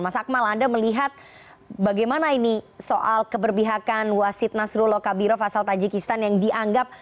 mas akmal anda melihat bagaimana ini soal keberbihakan wasid nasrullah kabirov asal tajikistan yang dianggap